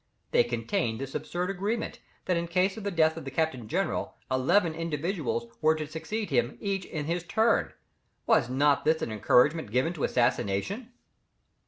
They contained this absurd arrangement, that in case of the death of the captain general, eleven individuals were to succeed him each in his turn. Was not this an encouragement given to assassination?